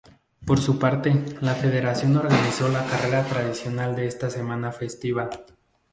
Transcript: Por su parte, la Federación organizó la carrera tradicional de esa semana festiva.